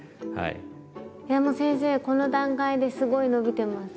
いやもう先生この段階ですごい伸びてます。